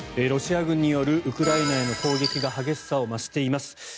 ロシア軍によるウクライナへの攻撃が激しさを増しています。